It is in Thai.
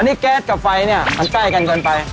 นี่แก๊สกับไฟเนี่ยมันใกล้กันเกินไป